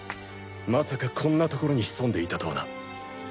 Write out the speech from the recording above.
まさかこんなところに潜んでいたとはな。